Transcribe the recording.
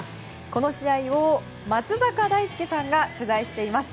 この試合を、松坂大輔さんが取材しています。